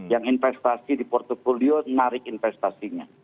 yang investasi di portfolio narik investasinya